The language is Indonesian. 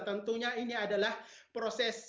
tentunya ini adalah proses